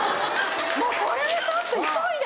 もうこれはちょっと急いで持って。